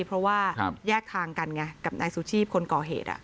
เพราะว่าแยกทางกันไงกับนายสุชีพคนก่อเหตุ